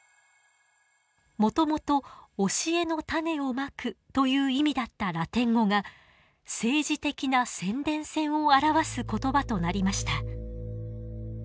もともと教えの種をまくという意味だったラテン語が政治的な宣伝戦を表す言葉となりました。